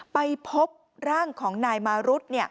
ไปพบร่างของนายมารุธ